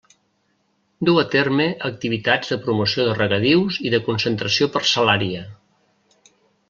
Du a terme activitats de promoció de regadius i de concentració parcel·lària.